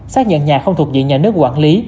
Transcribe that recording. xác nhận nhà không thuộc diện nhà nước quản lý